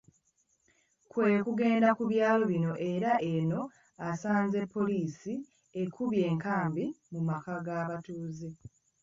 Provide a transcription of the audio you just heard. Kwe kugenda ku byalo bino era eno asanze poliisi ekubye enkambi mu maka g'abatuuze